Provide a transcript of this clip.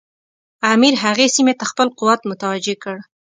امیر هغې سیمې ته خپل قوت متوجه کړ.